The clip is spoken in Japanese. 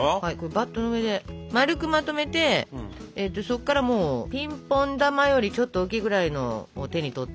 バットの上で丸くまとめてそっからもうピンポン球よりちょっと大きいぐらいのを手に取って。